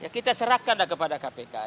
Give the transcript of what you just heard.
kita serahkan kepada kpk